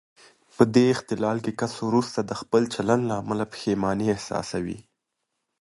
په دې اختلال کې کس وروسته د خپل چلن له امله پښېماني احساسوي.